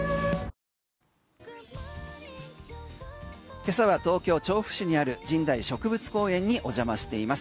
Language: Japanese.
今朝は東京・調布市にある神代植物公園にお邪魔しています。